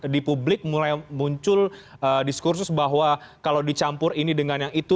di publik mulai muncul diskursus bahwa kalau dicampur ini dengan yang itu